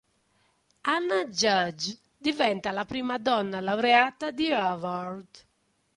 Anna Judge diventa la prima donna laureata di Howard.